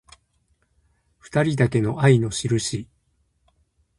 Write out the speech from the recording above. ふたりだけの愛のしるし